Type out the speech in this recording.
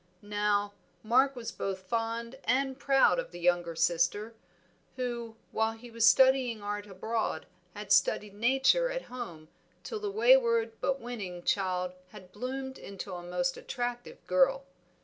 Now, Mark was both fond and proud of the young sister, who, while he was studying art abroad, had studied nature at home, till the wayward but winning child had bloomed into a most attractive girl.